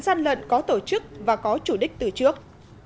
gian lận có tổ chức và có chủ đích từ trước